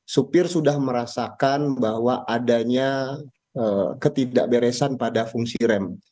supir sudah merasakan bahwa adanya ketidakberesan pada fungsi rem